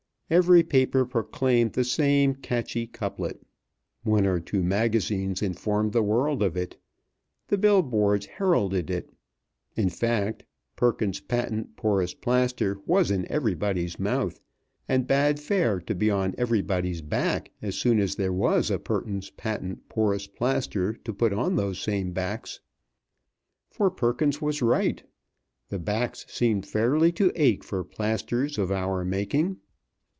Every paper proclaimed the same catchy couplet. One or two magazines informed the world of it. The bill boards heralded it. In fact, Perkins's Patent Porous Plaster was in everybody's mouth, and bade fair to be on everybody's back as soon as there was a Perkins's Patent Porous Plaster to put on those same backs. For Perkins was right. The backs seemed fairly to ache for plasters of our making.